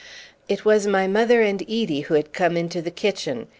It was my mother and Edie who had come into the kitchen.